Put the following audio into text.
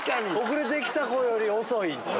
遅れて来た子より遅い。